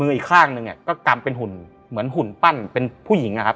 อีกข้างหนึ่งก็กำเป็นหุ่นเหมือนหุ่นปั้นเป็นผู้หญิงนะครับ